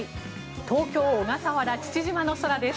東京・小笠原、父島の空です。